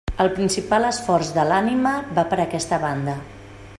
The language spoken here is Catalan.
El principal esforç de l'ànima va per aquesta banda.